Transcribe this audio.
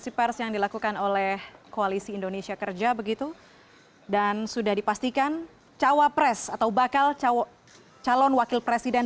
saya rasa itu tambahan sedikit yang bisa saya sampaikan